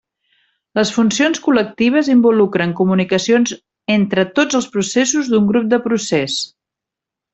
Les funcions col·lectives involucren comunicacions entre tots els processos d'un grup de procés.